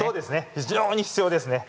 非常に必要です。